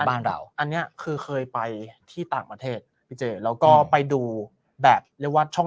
บ้านเราอันนี้คือเคยไปที่ต่างประเทศแล้วก็ไปดูแบบช่อง